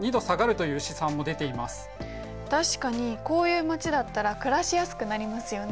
確かにこういう街だったら暮らしやすくなりますよね。